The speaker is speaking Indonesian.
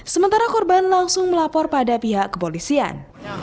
sementara korban langsung melapor pada pihak kepolisian